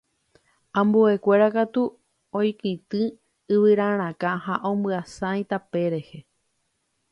ambuekuéra katu oikytĩ yvyrarakã ha omyasãi tape rehe